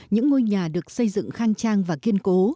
những ngôi nhà được xây dựng khang trang và kiên cố